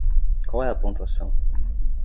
Qual é a pontuação?